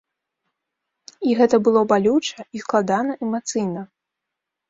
І гэта было балюча і складана эмацыйна.